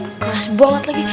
keras banget lagi